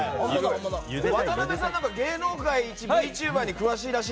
渡辺さん、芸能界一ＶＴｕｂｅｒに詳しいらしい。